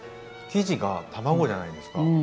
生地が卵じゃないですか。